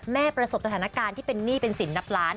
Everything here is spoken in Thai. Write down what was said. ประสบสถานการณ์ที่เป็นหนี้เป็นสินนับล้าน